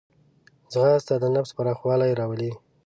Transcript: ځغاسته د نفس پراخوالی راولي